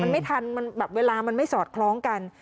มันไม่ทันมันแบบเวลามันไม่สอดคล้องกัน